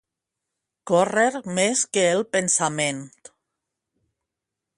Córrer més que el pensament.